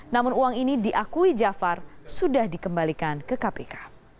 namun uang ini diakui jafar sudah dikembalikan ke kpk